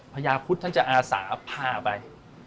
พญาพุทธท่านจะอาสาพาไป